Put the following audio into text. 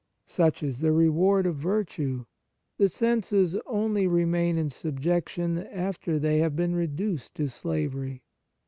Such is the reward of virtue ; the senses only remain in subjection after they have been reduced to slavery.